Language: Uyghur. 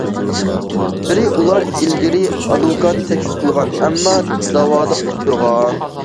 بىرى، ئۇلار ئىلگىرى ئادۋوكات تەكلىپ قىلغان، ئەمما دەۋادا ئۇتتۇرغان.